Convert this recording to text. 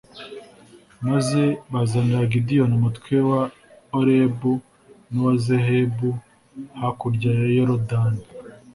maze bazanira gideyoni umutwe wa orebu n'uwa zehebu hakurya ya yorudani